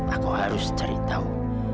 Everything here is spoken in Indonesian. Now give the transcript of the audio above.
aku harus ceritau